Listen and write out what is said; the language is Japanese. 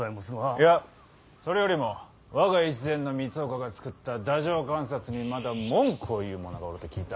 いやそれよりも我が越前の三岡が作った太政官札にまだ文句を言うものがおると聞いた。